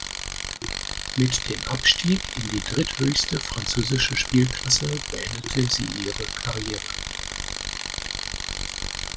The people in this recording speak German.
Mit dem Abstieg in die dritthöchste französische Spielklasse beendete sie ihre Karriere.